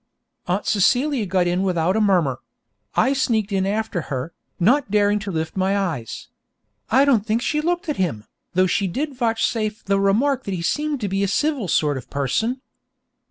Aunt Celia got in without a murmur; I sneaked in after her, not daring to lift my eyes. I don't think she looked at him, though she did vouchsafe the remark that he seemed to be a civil sort of person.